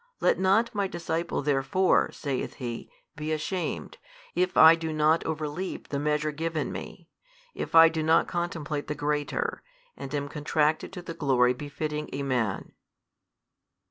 Let not my disciple therefore, saith he, be ashamed, if I do not overleap the measure given me, if I do not contemplate the greater, and am contracted to the glory befitting a man.